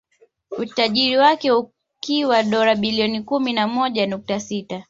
Utajiri wake ukiwa dola bilioni kumi na moja nukta sita